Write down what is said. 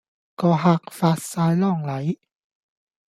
個客發哂狼戾